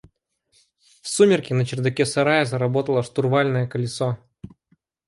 В сумерки на чердаке сарая заработало штурвальное колесо.